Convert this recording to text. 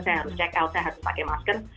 saya harus pakai masker